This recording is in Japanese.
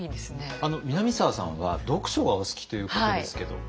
南沢さんは読書がお好きということですけど。